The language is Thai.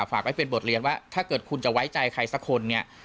ฝากไว้เป็นบทเรียนว่าถ้าเกิดคุณจะไว้ใจใครสักคนเนี่ย